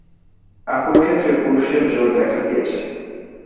আপন ক্ষেত্রে পুরুষের জোর দেখা দিয়েছে।